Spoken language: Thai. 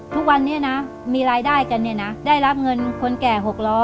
ทุกวันนี้นะมีรายได้กันเนี่ยนะได้รับเงินคนแก่๖๐๐